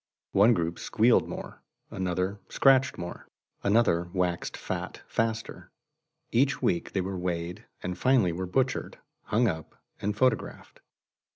One group squealed more; another scratched more; another waxed fat faster. Every week they were weighed, and finally were butchered, hung up, and photographed.